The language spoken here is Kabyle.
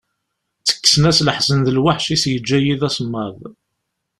Ttekksen-as leḥzen d lweḥc i as-yeǧǧa yiḍ asemmaḍ.